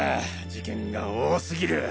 事件が多すぎる。